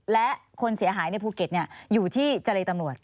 และคนเสียหายในภูเก็ตอยู่ที่เจรตำรวจ